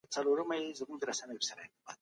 د ښوونې او روزنې ټولنپوهنه ډېره مهمه ده.